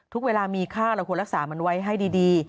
เวลามีค่าเราควรรักษามันไว้ให้ดี